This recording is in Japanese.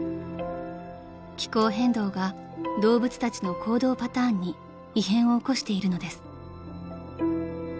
［気候変動が動物たちの行動パターンに異変を起こしているのです］